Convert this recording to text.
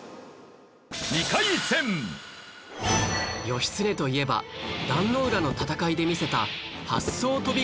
義経といえば壇ノ浦の戦いで見せた八艘飛びが有名